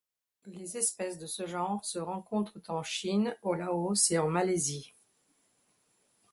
Les espèces de ce genre se rencontrent en Chine, au Laos et en Malaisie.